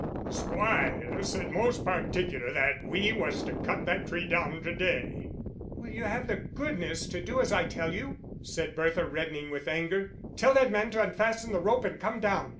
"The squire said most particular that we was to cut that tree down to day." "Will you have the goodness to do as I tell you?" said Bertha, reddening with anger. "Tell that man to unfasten the rope and come down.